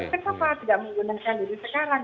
lalu saya kira apa tidak menggunakan ini sekarang